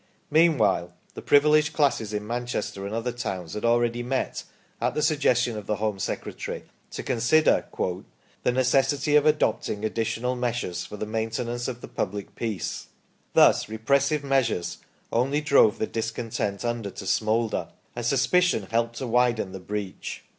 Meanwhile the privileged classes in Manchester and other towns had already met, at the suggestion of the Home Secretary, to consider " the necessity of adopting additional measures for the main tenance of the public peace ". Thus repressive measures only drove the discontent under to smoulder, and suspicion helped to widen the breach.